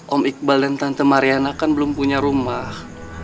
om iqbal dan tante mariana kan belum punya rumah